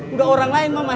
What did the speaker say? sudah orang lain mamah